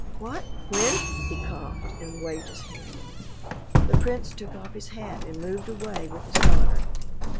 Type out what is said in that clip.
"What, when...." He coughed and waved his hand. The prince took off his hat and moved away with his daughter.